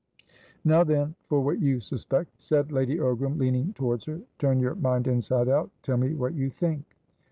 "Now, then, for what you suspect," said Lady Ogram, leaning towards her. "Turn your mind inside out. Tell me what you think!"